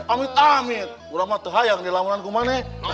amit amit kurang matahari yang dilamunan kemana